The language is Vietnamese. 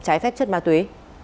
trái phép chất ma túy